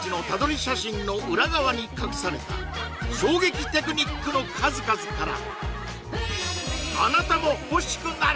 写真の裏側に隠された衝撃テクニックの数々からあなたも欲しくなる！